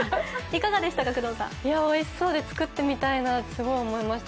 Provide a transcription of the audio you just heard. おいしそうで、作ってみたいなとすごく思いました。